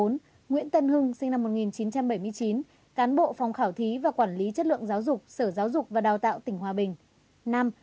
bốn nguyễn tân hưng sinh năm một nghìn chín trăm bảy mươi chín cán bộ phòng khảo thí và quản lý chất lượng giáo dục sở giáo dục và đào tạo tỉnh hòa bình